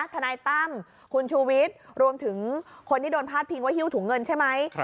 ทนายตั้มคุณชูวิทย์รวมถึงคนที่โดนพาดพิงว่าฮิ้วถุงเงินใช่ไหม